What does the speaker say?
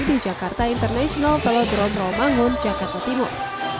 di jakarta international pelodron romangun jakarta timur